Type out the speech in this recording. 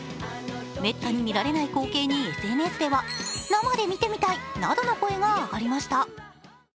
めったに見られない光景にＳＮＳでは生で見てみたいなどの声が上がりました。